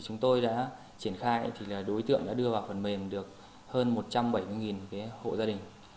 chúng tôi đã triển khai thì là đối tượng đã đưa vào phần mềm được hơn một trăm bảy mươi hộ gia đình